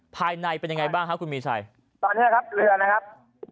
ภายในเป็นยังไงบ้างครับคุณมีชัยตอนนี้ครับเรือนะครับ